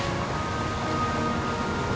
gue pergi ya